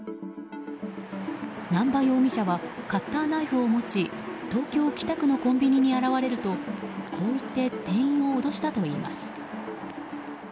南場容疑者はカッターナイフを持ち東京・北区のコンビニに現れるとこう言って店員を脅したといいます。